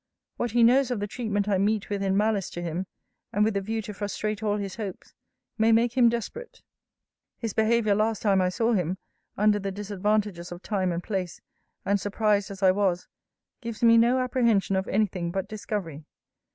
What he knows of the treatment I meet with in malice to him, and with the view to frustrate all his hopes, may make him desperate. His behaviour last time I saw him, under the disadvantages of time and place, and surprised as I was, gives me no apprehension of any thing but discovery.